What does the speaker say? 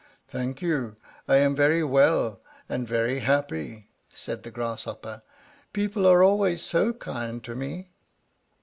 "Thank you, I am very well and very happy," said the Grasshopper; "people are always so kind to me."